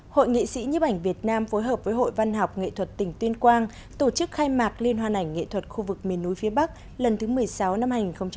hội nghị sĩ nhấp ảnh việt nam phối hợp với hội văn học nghệ thuật tỉnh tuyên quang tổ chức khai mạc liên hoan ảnh nghệ thuật khu vực miền núi phía bắc lần thứ một mươi sáu năm hai nghìn một mươi chín